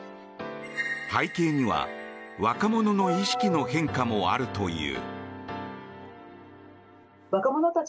背景には若者の意識の変化もあるという。